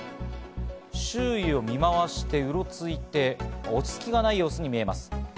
周囲を見回してうろついて、落ち着きがない様子に見えます。